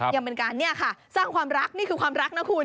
ยังเป็นการเนี่ยค่ะสร้างความรักนี่คือความรักนะคุณ